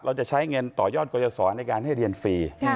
เราจะใช้เงินต่อยอดกรยาศรในการให้เรียนฟรี